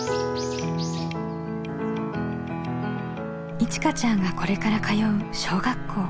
いちかちゃんがこれから通う小学校。